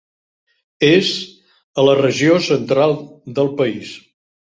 És a la regió central del país.